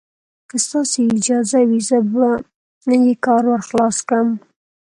که ستاسې اجازه وي، زه به یې کار ور خلاص کړم.